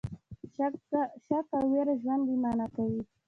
شک او ویره ژوند بې مانا کوي.